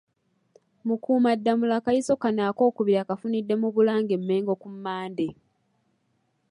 Mukuumaddamula akayiso kano akookubiri akafunidde mu Bulange e Mmengo ku Mmande.